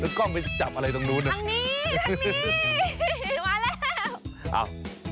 แล้วกล้าไม่จับอะไรตรงนู้นหรอทางนี้มาแล้ว